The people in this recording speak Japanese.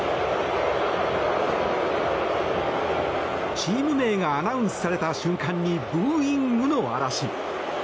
チーム名がアナウンスされた瞬間にブーイングの嵐。